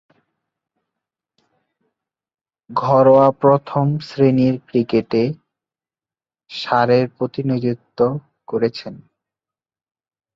ঘরোয়া প্রথম-শ্রেণীরক্রিকেটে সারের প্রতিনিধিত্ব করেছেন।